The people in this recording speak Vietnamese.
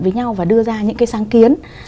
với nhau và đưa ra những cái sáng kiến